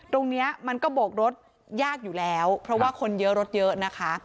ตรงนี้มันก็โบกรถยากอยู่แล้วเพราะว่าคนเยอะรถเยอะนะคะ